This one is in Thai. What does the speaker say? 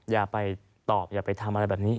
อย่าไปตอบอย่าไปทำอะไรแบบนี้